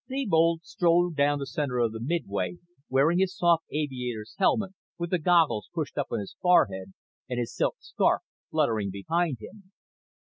Thebold strode down the center of the midway, wearing his soft aviator's helmet with the goggles pushed up on his forehead and his silk scarf fluttering behind him.